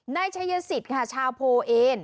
นายชายศิษฐ์ค่ะชาวโพเอ็น